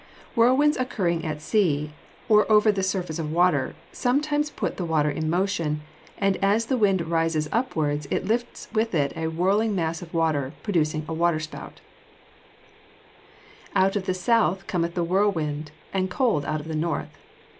Whirlwinds occurring at sea, or over the surface of water, sometimes put the water in motion, and as the wind rises upwards it lifts with it a whirling mass of water, producing a water spout. [Verse: "Out of the south cometh the whirlwind; and cold out of the north."